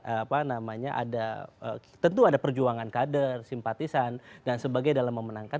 apa namanya ada tentu ada perjuangan kader simpatisan dan sebagai dalam memenangkan